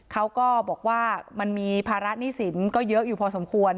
เขาก็บอกว่ามันมีภาระหนี้สินก็เยอะอยู่พอสมควร